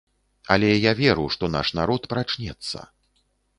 Але я веру, што наш народ прачнецца.